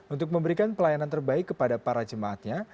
untuk memberikan pelayanan terbaik kepada para jemaatnya